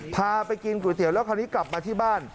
พาไปกินก๋วยเตี๋ยวแล้วคราวนี้กลับมาที่บ้าน